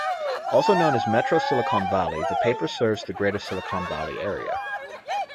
Also known as Metro Silicon Valley, the paper serves the greater Silicon Valley area.